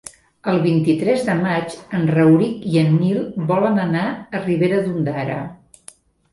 El vint-i-tres de maig en Rauric i en Nil volen anar a Ribera d'Ondara.